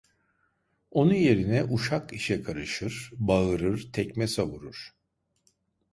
Onun yerine uşak işe karışır: Bağırır, tekme savurur.